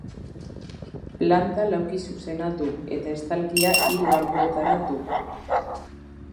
Planta laukizuzena du eta estalkia hiru alboetara du.